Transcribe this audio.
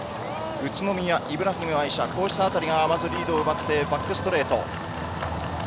宇都宮、イブラヒムがまずリードを奪ってバックストレート。